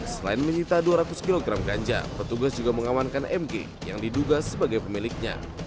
selain menyita dua ratus kg ganja petugas juga mengamankan mg yang diduga sebagai pemiliknya